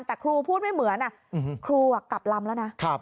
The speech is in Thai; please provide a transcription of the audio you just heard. แต่ครูพูดไม่เหมือนครูกลับลำแล้วนะ